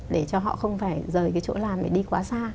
để cho họ không phải rời cái chỗ làm để đi quá xa